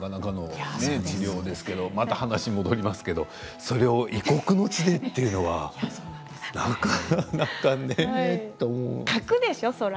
聞くだけでもなかなかの治療ですけど話が戻りますけどそれを異国の地でというのはなかなかね。